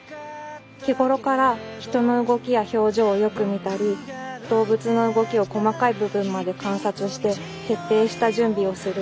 日頃から人の動きや表情をよく見たり動物の動きを細かい部分まで観察して徹底した準備をする。